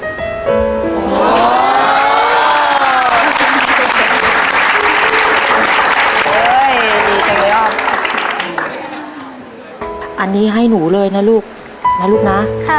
เฮ้ยดีจังเลยอ่ะอันนี้ให้หนูเลยนะลูกนะลูกนะค่ะ